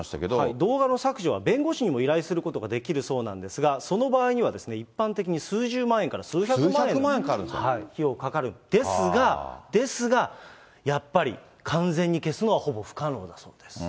動画の削除は弁護士にも依頼することができるそうなんですが、その場合には、一般的に数十万円から数百万円の費用がかかるんです、ですが、やっぱり完全に消すのはほぼ不可能だそうです。